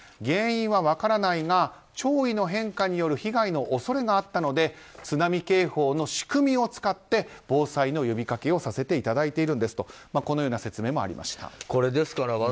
原因は分からないが潮位の変化による被害の恐れがあったので津波警報の仕組みを使って防災の呼びかけをさせていただいているんですとこれ、ですから